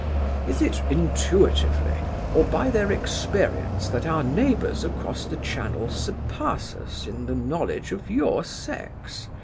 "Is it intuitively or by their experience that our neighbours across Channel surpass us in the knowledge of your sex?"